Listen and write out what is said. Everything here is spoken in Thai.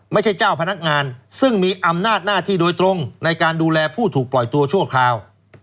เจ้าพนักงานซึ่งมีอำนาจหน้าที่โดยตรงในการดูแลผู้ถูกปล่อยตัวชั่วคราว